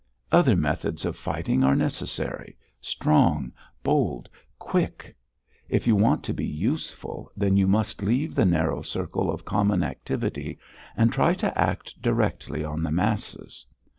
Other methods of fighting are necessary, strong, bold, quick! If you want to be useful then you must leave the narrow circle of common activity and try to act directly on the masses!